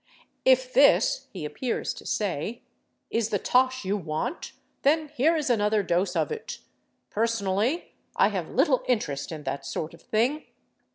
"If this," he appears to say, "is the tosh you want, then here is another dose of it. Personally, I have little interest in that sort of thing.